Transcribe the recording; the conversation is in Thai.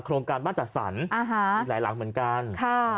โรงการบ้านจัดสรรอ่าฮะมีหลายหลังเหมือนกันค่ะ